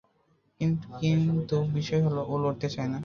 কিন্তু বিষয় হলো, ও লড়তে চায় না।